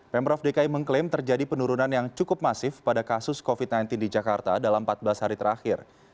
pemprov dki mengklaim terjadi penurunan yang cukup masif pada kasus covid sembilan belas di jakarta dalam empat belas hari terakhir